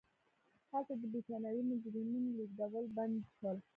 هلته د برېټانوي مجرمینو لېږدېدل بند شول.